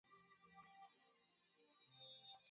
Kutupa mimba katika hatua za mwisho karibu na kuzaa